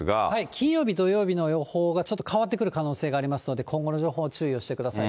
金曜日、土曜日の予報がちょっと変わってくる可能性がありますので、今後の情報、注意をしてください。